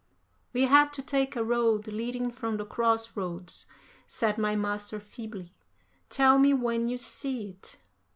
"We have to take a road leading from the cross roads," said my master feebly; "tell me when you see it."